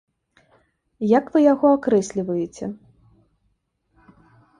Як вы яго акрэсліваеце?